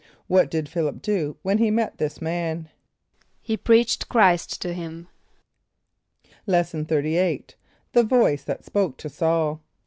= What did Ph[)i]l´[)i]p do when he met this man? =He preached Chr[=i]st to him.= Lesson XXXVIII. The Voice that Spoke to Saul.